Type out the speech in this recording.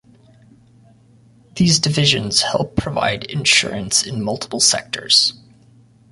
These divisions help provide insurance in multiple sectors.